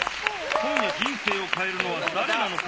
今夜人生を変えるのは誰なのか。